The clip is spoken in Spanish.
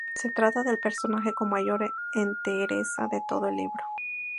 Se trata del personaje con mayor entereza de todo el libro.